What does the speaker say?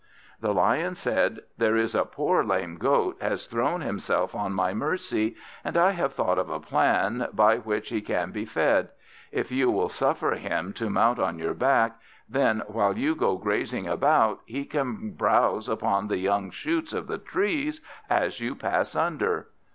The Lion said, "There is a poor lame Goat has thrown himself on my mercy, and I have thought of a plan by which he can be fed. If you will suffer him to mount on your back, then while you go grazing about, he can browse upon the young shoots of the trees as you pass under."